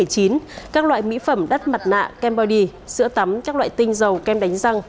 các loại mỹ phẩm đắt mặt nạ kem body sữa tắm các loại tinh dầu kem đánh răng